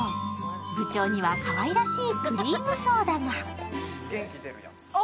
部長にはかわいらしいクリームソーダが。